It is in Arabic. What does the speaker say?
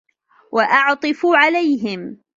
وَأَعْطِفُ عَلَيْهِمْ